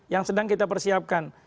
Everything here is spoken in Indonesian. yang sedang kita persiapkan